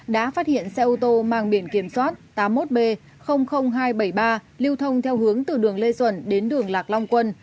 đã phát hiện xe ô tô mang biển kiểm soát tám mươi một b hai trăm bảy mươi ba lưu thông theo hướng từ đường lê duẩn đến đường lạc long quân